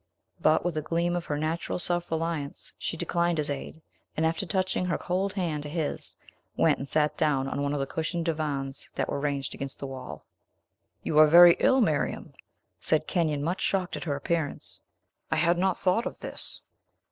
But, with a gleam of her natural self reliance, she declined his aid, and, after touching her cold hand to his, went and sat down on one of the cushioned divans that were ranged against the wall. "You are very ill, Miriam!" said Kenyon, much shocked at her appearance. "I had not thought of this."